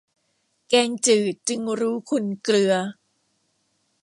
แกงจืดจึงรู้คุณเกลือ